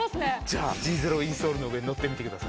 じゃあＧゼロインソールの上にのってみてください。